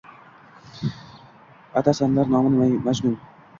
Atasalar nomimni Majnun?